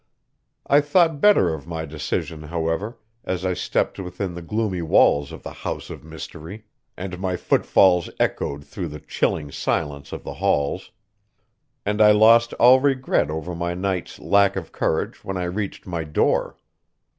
I thought better of my decision, however, as I stepped within the gloomy walls of the house of mystery, and my footfalls echoed through the chilling silence of the halls. And I lost all regret over my night's lack of courage when I reached my door.